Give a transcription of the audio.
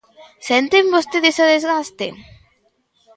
Senten vostedes o desgaste?